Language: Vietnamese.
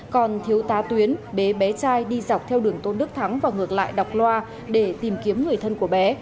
còn thiếu tá tuyến bé trai đi dọc theo đường tôn đức thắng và ngược lại đọc loa để tìm kiếm người thân của bé